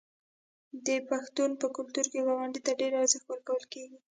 د پښتنو په کلتور کې ګاونډي ته ډیر ارزښت ورکول کیږي.